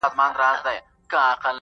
د ریا کارو زاهدانو ټولۍ!.